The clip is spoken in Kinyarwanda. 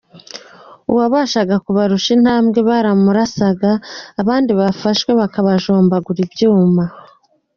Uwabashaga kubarusha intambwe baramurasaga abandi bafashwe bakabajombagura ibyuma.